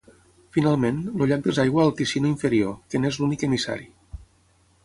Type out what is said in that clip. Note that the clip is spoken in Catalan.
Finalment, el llac desaigua al Ticino inferior, que n'és l'únic emissari.